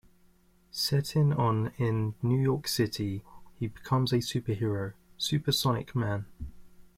Setting on in New York City, he becomes a superhero, Supersonic Man.